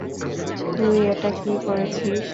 তুই এটা কি করেছিস?